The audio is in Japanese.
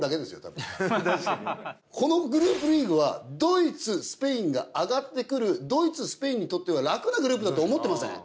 このグループリーグはドイツスペインが上がってくるドイツスペインにとっては楽なグループだと思ってません？